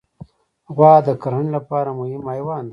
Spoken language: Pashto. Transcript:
غوا د کرهڼې لپاره مهم حیوان دی.